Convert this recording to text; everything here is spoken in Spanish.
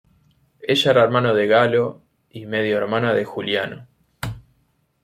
Ella era hermana de Galo y medio-hermana de Juliano.